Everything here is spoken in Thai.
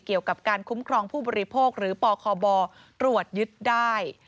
เกี่ยวกับการคุ้มครองผู้บริโภคหรือปคบตรวจยึดได้